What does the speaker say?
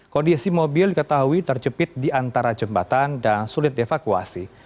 kondisi mobil diketahui terjepit di antara jembatan dan sulit dievakuasi